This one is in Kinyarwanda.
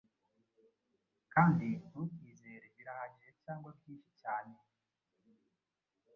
kandi ntukizere Birahagije cyangwa byinshi cyane.